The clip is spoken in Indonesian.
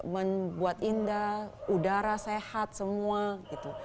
membuat indah udara sehat semua gitu